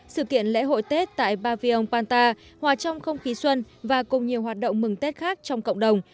sự kiện lễ hội tết tại bavion ban ta hòa trong không khí xuân và cùng nhiều hoạt động mừng tết khác trong cộng đồng